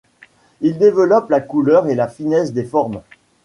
Il développe la couleur et la finesse des formes.